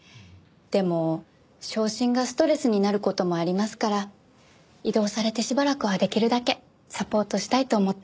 でも昇進がストレスになる事もありますから異動されてしばらくはできるだけサポートしたいと思っています。